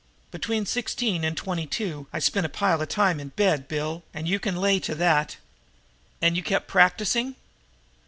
"Between sixteen and twenty two I spent a pile of time in bed, Bill, and you can lay to that!" "And you kept practicing?"